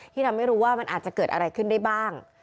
ที่ทำให้รู้ว่ามันอาจจะเกิดอะไรขึ้นได้บ้าง